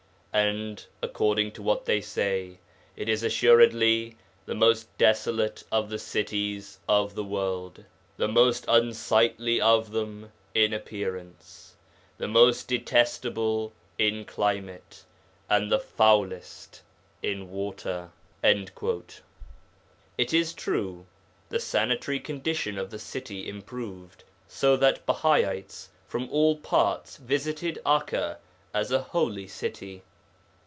And, according to what they say, it is assuredly the most desolate of the cities of the world, the most unsightly of them in appearance, the most detestable in climate, and the foulest in water.' It is true, the sanitary condition of the city improved, so that Bahaites from all parts visited Akka as a holy city.